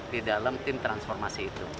di dalam tim transformasi itu